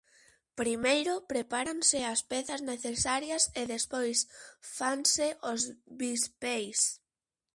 Primeiro prepáranse as pezas necesarias e despois fanse os bispeis.